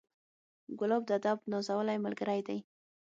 ګلاب د ادب نازولی ملګری دی.